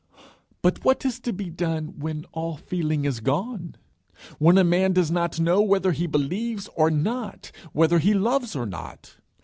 But what is to be done when all feeling is gone? when a man does not know whether he believes or not, whether he loves or not?